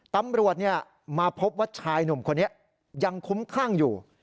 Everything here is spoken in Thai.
ตำรวจมาพบว่าชายหนุ่มคนนี้ยังคุ้มคลั่งอยู่